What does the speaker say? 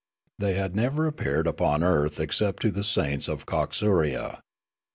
They had never appeared upon earth except to the saints of Coxuria.